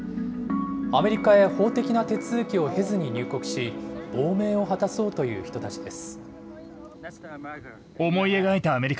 アメリカへ法的な手続きを経ずに入国し、亡命を果たそうという人たちです。